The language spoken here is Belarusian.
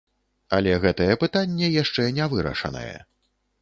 Але гэтае пытанне яшчэ не вырашанае.